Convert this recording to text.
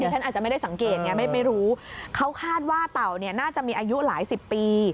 ฉันอาจจะไม่ได้สังเกตไงไม่รู้เขาคาดว่าเต่าเนี่ยน่าจะมีอายุหลายสิบปี